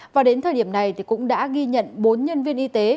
và đến thời điểm này cũng đã ghi nhận bốn nhân viên y tế